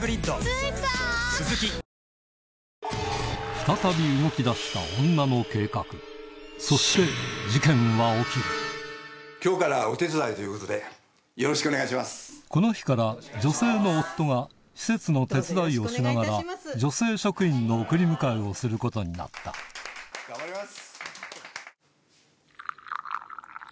再びそしてこの日から女性の夫が施設の手伝いをしながら女性職員の送り迎えをすることになった頑張ります！